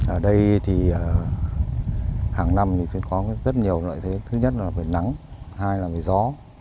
ở đây thì hàng năm thì có rất nhiều loại thiết thứ nhất là về nắng hai là về gió